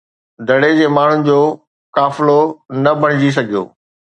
دڙي جي ماڻهن جو قافلو نه بڻجي سگهيو.